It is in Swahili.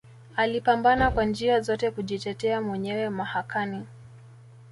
Alipambana kwa njia zote kujitetea mwenyewe mahakani